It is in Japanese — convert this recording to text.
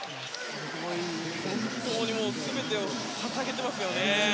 本当に全てを捧げていますよね。